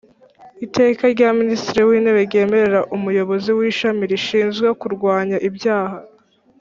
Iteka rya Minisitiri w Intebe ryemerera Umuyobozi w Ishami rishinzwe kurwanya ibyaha